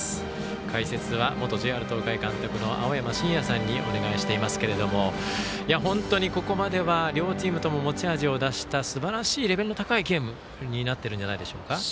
解説は元ＪＲ東海監督の青山眞也さんにお願いしていますけれども本当に、ここまでは両チームとも持ち味を出したすばらしいレベルの高いゲームになっているんじゃないでしょうか。